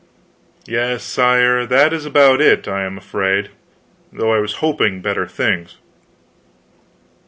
"Yes, sire, that is about it, I am afraid, though I was hoping better things."